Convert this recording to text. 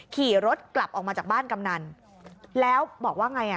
ขี่รถกลับออกมาจากบ้านกำนันแล้วบอกว่าไงอ่ะ